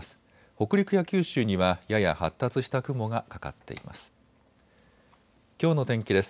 北陸や九州にはやや発達した雲がかかっています。